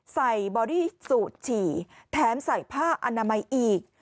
บอดี้สูตรฉี่แถมใส่ผ้าอนามัยอีก